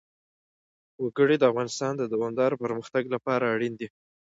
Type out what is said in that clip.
وګړي د افغانستان د دوامداره پرمختګ لپاره اړین دي.